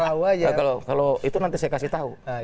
kalau itu nanti saya kasih tahu